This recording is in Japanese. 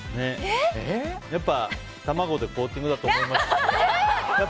やっぱ卵でコーティングだと思いました。